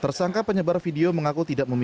tersangka penyebar video mengaku tidak memiliki